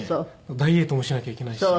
ダイエットもしなきゃいけないし。